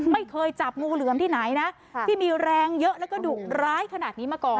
ไม่เคยจับงูเหลือมที่ไหนนะที่มีแรงเยอะแล้วก็ดุร้ายขนาดนี้มาก่อน